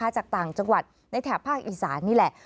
จากต่างจังหวัดในแถบภาคอีสานนี่แหละ